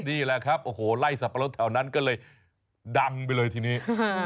นี่แหละครับโอ้โหไล่สับปะรดแถวนั้นก็เลยดังไปเลยทีนี้